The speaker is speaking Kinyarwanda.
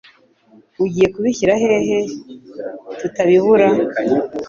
Ugiye kubishyira hehe tutabibura?